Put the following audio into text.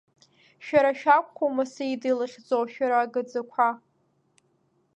Шәара шәакәхума Саида илыхьӡо, шәара ага-ӡақәа!